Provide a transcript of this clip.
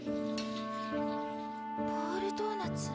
ボールドーナツ